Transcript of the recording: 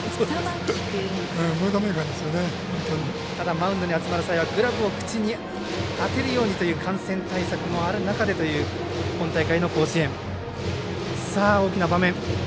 マウンドに集まる際はグラブを口に当てるようにという感染対策もある中での今大会の甲子園。